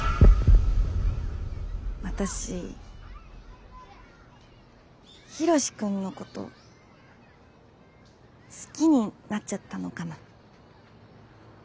私ヒロシ君のこと好きになっちゃったのかな。